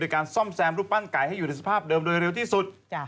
การซ่อมแซมรูปปั้นไก่ให้อยู่ในสภาพเดิมโดยเร็วที่สุด